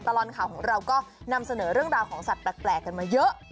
ตลอดข่าวของเราก็นำเสนอเรื่องราวของสัตว์แปลกกันมาเยอะ